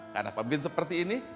karena pemimpin seperti ini